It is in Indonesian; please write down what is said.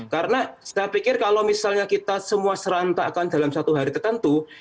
karena saya pikir kalau misalnya kita semua serantakan dalam satu hari tertentu